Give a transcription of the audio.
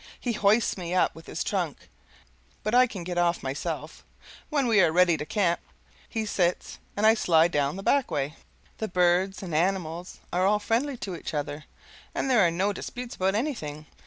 He hoists me up with his trunk, but I can get off myself; when we are ready to camp, he sits and I slide down the back way. The birds and animals are all friendly to each other, and there are no disputes about anything.